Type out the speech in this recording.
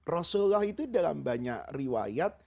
rasulullah itu dalam banyak riwayat